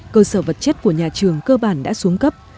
cơ sở vật chất của nhà trường cơ bản đã xuống cấp